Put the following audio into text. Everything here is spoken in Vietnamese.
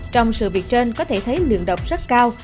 trong sự việc trên có thể thấy lượng độc rất cao